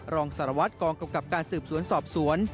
รองสารวัตรกองกำกับการสืบสวนสอบสวน